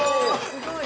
すごい！